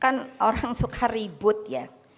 kan orang suka ribut ya